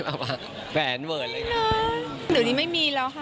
เยอะนะแม่งานอันนี้ไม่มีแล้วค่ะ